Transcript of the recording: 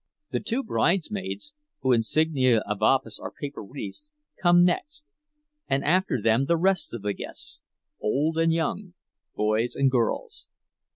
The two bridesmaids, whose insignia of office are paper wreaths, come next, and after them the rest of the guests, old and young, boys and girls.